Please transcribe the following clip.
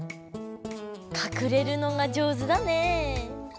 かくれるのがじょうずだね。